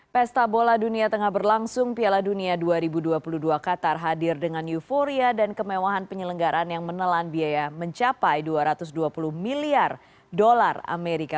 pesta bola dunia tengah berlangsung piala dunia dua ribu dua puluh dua qatar hadir dengan euforia dan kemewahan penyelenggaran yang menelan biaya mencapai dua ratus dua puluh miliar dolar amerika